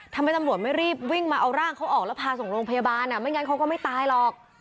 ทำไมตำรวจไม่รีบวิ่งมาเอาร่างเขาออกแล้วพาส่งโรงพยาบาลไม่งั้นเขาก็ไม่ตายหรอก